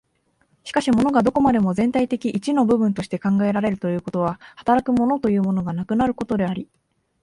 しかし物がどこまでも全体的一の部分として考えられるということは、働く物というものがなくなることであり、